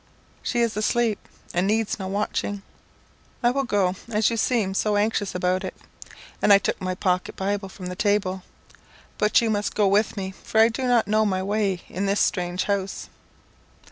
"She is asleep, and needs no watching. I will go as you seem so anxious about it," and I took my pocket Bible from the table. "But you must go with me, for I do not know my way in this strange house."